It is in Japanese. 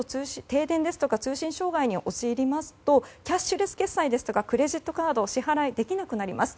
停電や通信障害に陥りますとキャッシュレス決済ですとかクレジットカードでの支払いできなくなります。